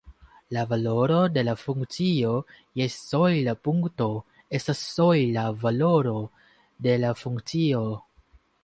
La valoro de la funkcio je sojla punkto estas sojla valoro de la funkcio.